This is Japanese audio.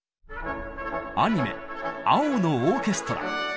アニメ「青のオーケストラ」。